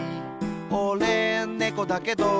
「おれ、ねこだけど」